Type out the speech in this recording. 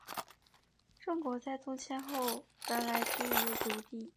郑国在东迁后原来居于留地。